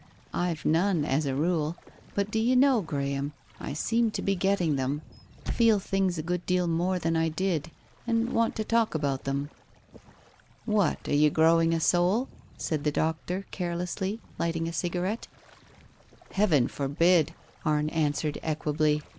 I've none as a rule, but do you know, Graham, I seem to be getting them — feel things a good deal more than I did, and want to talk about them." Digitized by Google 122 TALES OF THE UNEASY "What, are you growing a soul?" said the doctor carelessly, lighting a cigarette. "Heaven forbid!" Arne answered equably.